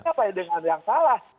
kenapa ya dengan yang salah